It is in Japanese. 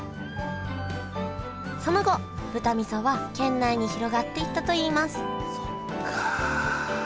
その後豚味噌は県内に広がっていったといいますそっか。